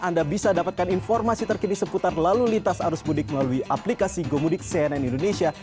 anda bisa dapatkan informasi terkini seputar lalu lintas arus mudik melalui aplikasi gomudik cnn indonesia